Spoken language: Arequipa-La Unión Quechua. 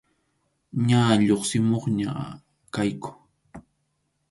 Ña lluqsimuqña kayku.